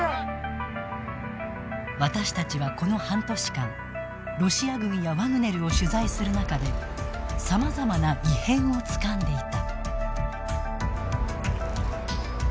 私たちは、この半年間ロシア軍やワグネルを取材する中でさまざまな異変をつかんでいた。